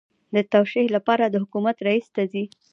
د توشیح لپاره د حکومت رئیس ته ځي.